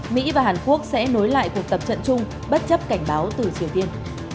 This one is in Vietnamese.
mỹ và hàn quốc sẽ nối lại cuộc tập trận chung bất chấp cảnh báo từ triều tiên